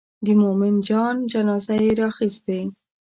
د مومن جان جنازه یې راخیستې.